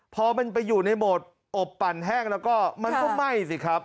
พอมันไปอยู่ในโหมดอบปั่นแห้งแล้วก็มันก็ไหม้สิครับ